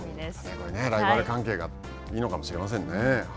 こういうライバル関係がいいのかもしれませんね。